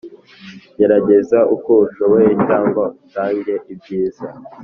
gerageza uko ushoboye cyangwa utange ibyiza.